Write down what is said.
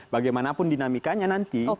bagaimanapun dinamikanya nanti